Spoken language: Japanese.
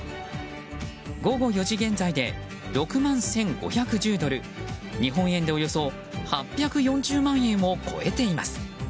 午後４時現在で６万１５１０ドル日本円でおよそ８４０万円を超えています。